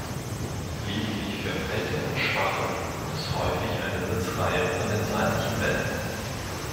Lediglich für Alte und Schwache gibt es häufig eine Sitzreihe an den seitlichen Wänden.